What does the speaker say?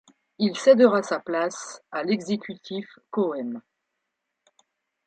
Il cèdera sa place à l'exécutif Coëme.